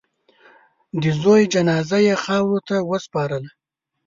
د زوی جنازه یې خاورو ته وسپارله.